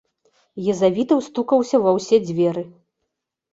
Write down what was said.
Езавітаў стукаўся ва ўсе дзверы.